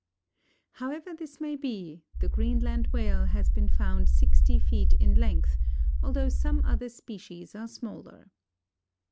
However this may be, the Greenland Whale has been found sixty feet in length, although some other species are smaller.